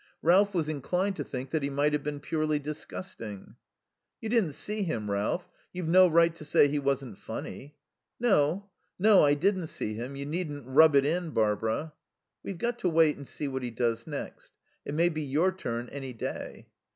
Ralph was inclined to think that he might have been purely disgusting. "You didn't see him, Ralph. You've no right to say he wasn't funny." "No. No. I didn't see him. You needn't rub it in, Barbara." "We've got to wait and see what he does next. It may be your turn any day."